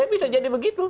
ya bisa jadi begitu